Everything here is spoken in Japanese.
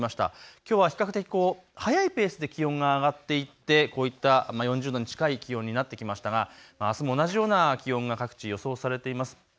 きょうは比較的速いペースで気温が上がっていってこういった４０度に近い気温になってきましたがあすも同じような気温が各地、予想されています。